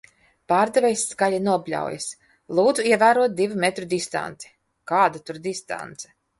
Pārdevējs skaļi nobļaujas "Lūdzu ievērot divu metru distanci!" Kāda tur distance?